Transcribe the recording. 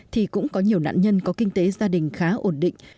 thì cũng có nhiều nạn nhân có kinh tế gia đình khá ổn định